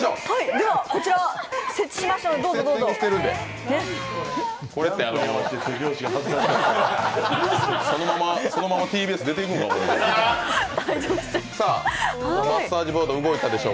では、こちら設置しましょうそのままＴＢＳ出ていくんかと思いました。